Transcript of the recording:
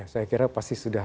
saya kira pasti sudah